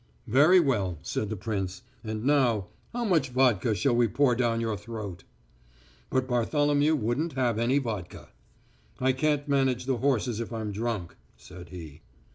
"Very well," said the prince. "And now, how much vodka shall we pour down your throat?" But Bartholomew wouldn't have any vodka. "I can't manage the horses if I'm drunk," said he.